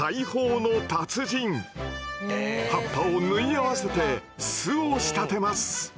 葉っぱを縫い合わせて巣を仕立てます。